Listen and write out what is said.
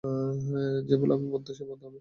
যে বলে আমি বদ্ধ, সে বদ্ধ হবে।